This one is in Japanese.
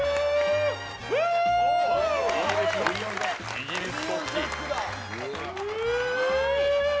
イギリス国旗！